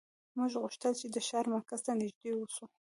موږ غوښتل چې د ښار مرکز ته نږدې اوسو